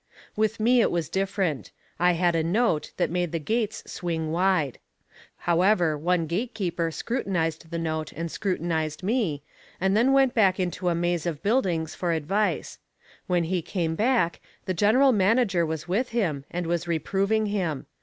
With me it was different: I had a note that made the gates swing wide. However, one gatekeeper scrutinized the note and scrutinized me, and then went back into a maze of buildings for advice. When he came back, the General Manager was with him and was reproving him.